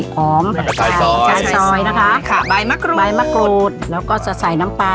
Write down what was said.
คือเมืองส้ำนี่แบบมาแล้ว